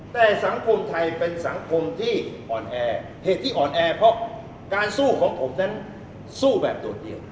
แต่สังคมไทยเป็นสังคมที่อ่อนแอเหตุที่อ่อนแอเพราะการสู้ของผมนั้นสู้แบบโดดเดียว